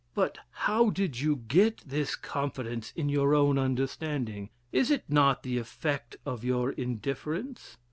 But how did you get this confidence in your own understanding? Is it not the effect of your indifference?